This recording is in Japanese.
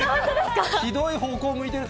ひどい方向向いてる。